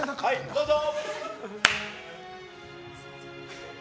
どうぞ！